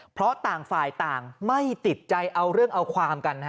เพราะต่างฝ่ายต่างไม่ติดใจเอาเรื่องเอาความกัน